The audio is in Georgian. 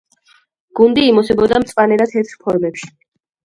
გუნდი იმოსებოდა მწვანე და თეთრ ფორმებში.